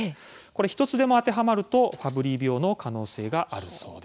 １つでも当てはまるとファブリー病の可能性があるそうです。